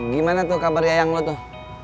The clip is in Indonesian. gimana tuh kabar yayang lo tuh